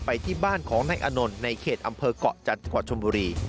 ไปที่บ้านของนักอนลในเขตอำเภอกะจันทร์กวาชมบุรี